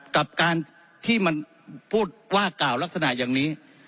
กับการที่มันพูดว่ากล่าวลักษณะอย่างนี้